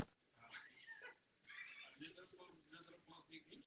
Letky byly přiděleny k jednotlivým leteckým armádám.